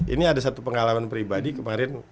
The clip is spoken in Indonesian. ini ada satu pengalaman pribadi kemarin